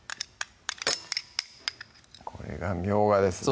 これがみょうがですね